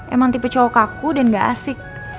emang tipe cowok kaku dan gak asik